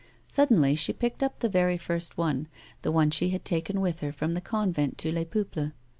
Suddenly she picked up the very first one — the one she had taken with her from the convent to Les Peuples.